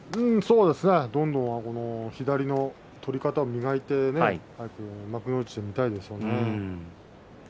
どんどん左の取り方を磨いて幕内、見たいですよね。